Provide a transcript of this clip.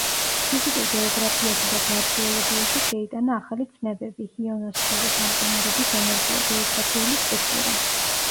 ფიზიკურ გეოგრაფიაში და გლაციოლოგიაში შეიტანა ახალი ცნებები: ჰიონოსფერო, გამყინვარების ენერგია, გეოგრაფიული სტრუქტურა.